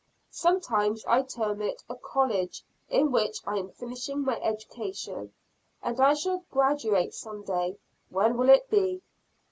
Sometimes I term it a college, in which I am finishing my education, and I shall graduate some day when will it be?